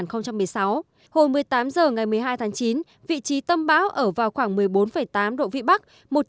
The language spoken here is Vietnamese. hồi một mươi tám giờ ngày một mươi hai tháng chín vị trí tâm bão ở vào khoảng một mươi bốn tám độ vị bắc